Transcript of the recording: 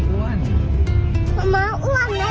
ไม่ใช่ว่าหนูแหละ